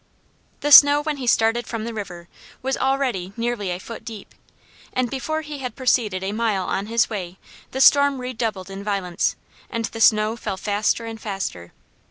The snow when he started from the river was already nearly a foot deep, and before he had proceeded a mile on his way the storm redoubled in violence, and the snow fell faster and faster.